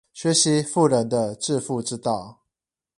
學習富人的致富之道